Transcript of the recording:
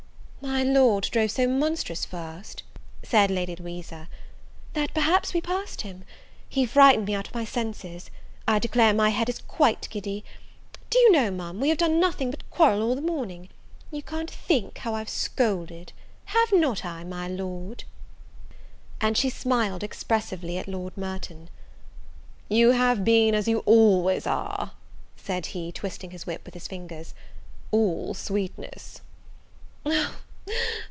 "My Lord drove so monstrous fast," said Lady Louisa, "that perhaps we passed him. He frightened me out of my senses; I declare my head is quite giddy. Do you know, Ma'am, we have done nothing but quarrel all the morning? You can't think how I've scolded; have not I, my Lord?" and she smiled expressively at Lord Merton. "You have been, as you always are," said he, twisting his whip with his fingers, "all sweetness."